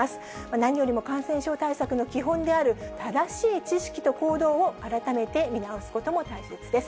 何よりも感染症対策の基本である、正しい知識と行動を改めて見直すことも大切です。